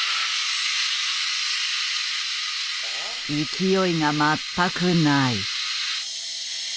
勢いが全くない。